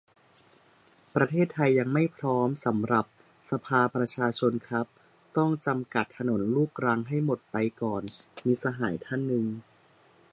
"ประเทศไทยยังไม่พร้อมสำหรับสภาประชาชนครับ ต้องกำจัดถนนลูกรังให้หมดไปก่อน" - มิตรสหายท่านหนึ่ง